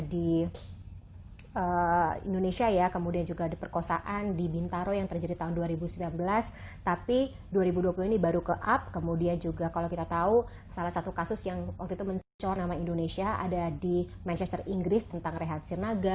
di indonesia ya kemudian juga ada perkosaan di bintaro yang terjadi tahun dua ribu sembilan belas tapi dua ribu dua puluh ini baru ke up kemudian juga kalau kita tahu salah satu kasus yang waktu itu mencocor nama indonesia ada di manchester inggris tentang rehat sirnaga